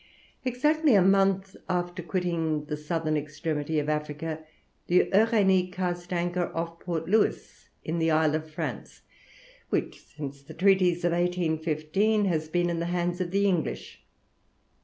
Exactly a month after quitting the southern extremity of Africa, the Uranie cast anchor off Port Louis in the Isle of France, which, since the Treaties of 1815, has been in the hands of the English.